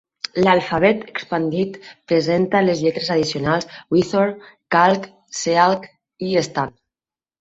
L'alfabet expandit presenta les lletres addicionals cweorth, calc, cealc i stan.